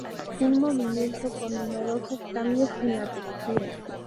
Un movimiento con numerosos cambios en la textura.